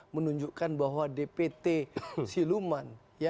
menunjukkan bahwa dpt siluman